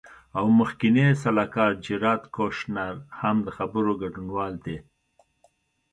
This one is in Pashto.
او مخکینی سلاکار جیراد کوشنر هم د خبرو ګډونوال دی.